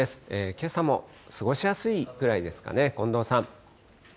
けさも過ごしやすいくらいですかね、近藤さん。